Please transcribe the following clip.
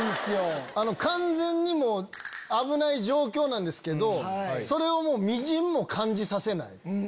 完全に危ない状況なんですけどそれをみじんも感じさせない。